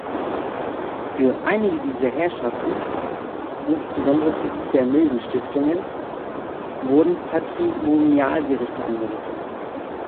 Für einige dieser Herrschaften (insbesondere für die der milden Stiftungen) wurden Patrimonialgerichte eingerichtet.